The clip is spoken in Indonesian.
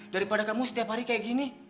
daripada kamu setiap hari kayak gini